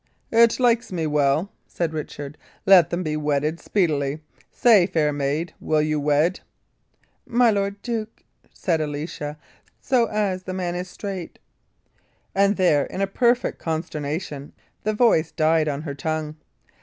"It likes me well," said Richard. "Let them be wedded speedily. Say, fair maid, will you wed?" "My lord duke," said Alicia, "so as the man is straight" And there, in a perfect consternation, the voice died on her tongue.